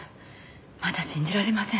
まだ信じられません。